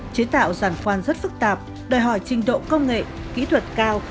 chế tạo giàn khoan rất phức tạp đòi hỏi trình độ công nghệ kỹ thuật cao